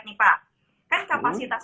nih pak kan kapasitas